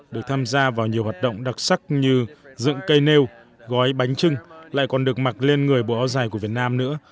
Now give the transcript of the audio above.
được tham gia vào nhiều hoạt động đặc sắc như dựng cây nêu gói bánh trưng lại còn được mặc lên người bộ áo dài của việt nam nữa